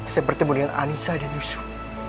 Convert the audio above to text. saya bertemu dengan anissa dan yusuf